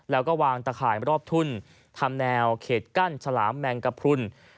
แล้วก็วางตะข่ายรอบทุ่นทำแนวเขตกั้นฉลามแมงกระพรุน